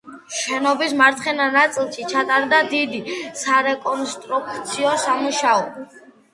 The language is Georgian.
შენობის მარცხენა ნაწილში ჩატარდა დიდი სარეკონსტრუქციო სამუშაო.